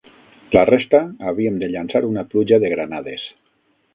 La resta havíem de llançar una pluja de granades